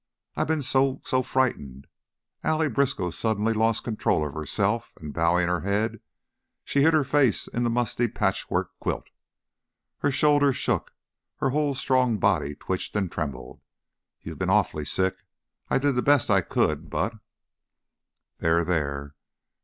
I've been so so frightened!" Allie Briskow suddenly lost control of herself and, bowing her head, she hid her face in the musty patchwork quilt. Her shoulders shook, her whole strong body twitched and trembled. "You've b been awful sick. I did the best I could, but " "There, there!"